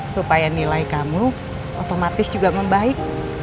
supaya nilai kamu otomatis juga membaik